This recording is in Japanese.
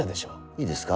いいですか？